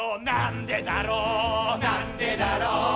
「なんでだろうなんでだろう」